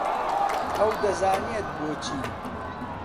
ئەو دەزانێت بۆچی.